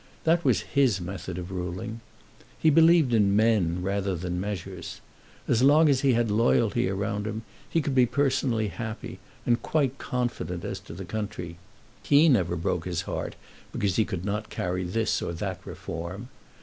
That was his method of ruling. He believed in men rather than measures. As long as he had loyalty around him, he could be personally happy, and quite confident as to the country. He never broke his heart because he could not carry this or that reform.